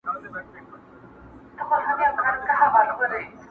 • هسي نه چي زه در پسې ټولي توبې ماتي کړم..